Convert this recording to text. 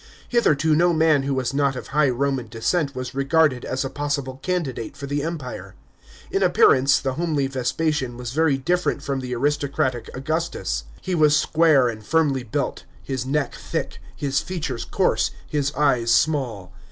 Hitherto, no man who was not of high Roman descent was regarded as a possible candidate for the Empire. In appearance, the homely Vespasian WES very different from the aristocratic Augustus. He was square and firmly built, his neck thick, his features coarse, his eyes small.